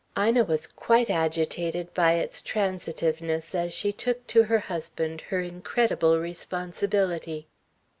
Ina was quite agitated by its transitiveness as she took to her husband her incredible responsibility.